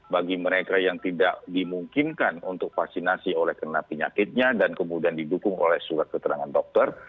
bagi mereka yang tidak dimungkinkan untuk vaksinasi oleh kena penyakitnya dan kemudian didukung oleh surat keterangan dokter